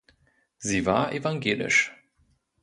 Sie war evangelisch.